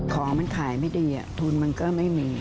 ของมันขายไม่ดีทุนมันก็ไม่มี